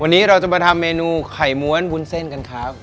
วันนี้เราจะมาทำเมนูไข่ม้วนวุ้นเส้นกันครับ